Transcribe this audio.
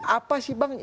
apa sih bang